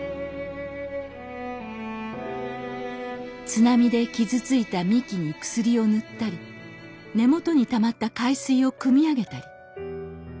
津波で傷ついた幹に薬を塗ったり根元にたまった海水をくみ上げたり。